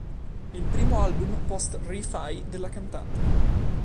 È il primo album post Ri-Fi della cantante.